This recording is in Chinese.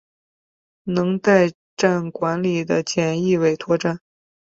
能代站管理的简易委托站。